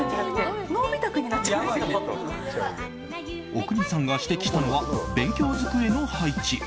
阿国さんが指摘したのは勉強机の配置。